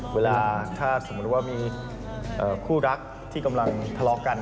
เวลาถ้าสมมุติว่ามีคู่รักที่กำลังทะเลาะกัน